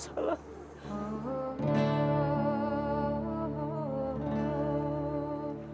ya t mas rahman